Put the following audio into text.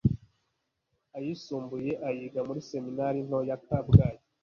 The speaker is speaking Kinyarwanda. ayisumbuye ayiga muri Seminari nto ya Kabgayi